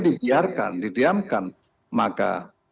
dibiarkan didiamkan maka